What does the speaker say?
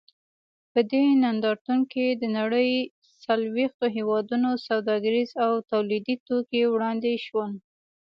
په دې نندارتون کې د نړۍ څلوېښتو هېوادونو سوداګریز او تولیدي توکي وړاندې شول.